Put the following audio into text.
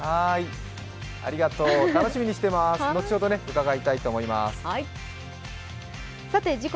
ありがとう、楽しみにしてます、後ほど伺いたいと思います。